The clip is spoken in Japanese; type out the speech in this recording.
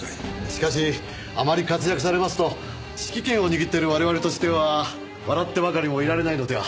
しかしあまり活躍されますと指揮権を握っている我々としては笑ってばかりもいられないのでは？